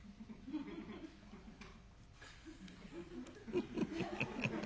「フフフフ。